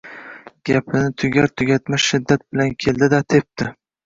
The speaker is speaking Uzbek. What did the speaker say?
Gapini tugatar tugatmas shiddat bilan keldi-da tepdi.